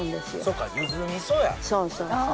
そうそう。